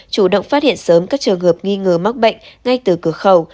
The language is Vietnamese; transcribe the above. chủ động phát hiện sớm các trường hợp nghi ngờ mắc bệnh ngay từ cửa khẩu